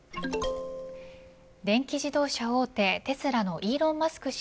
電気自動車大手、テスラのイーロン・マスク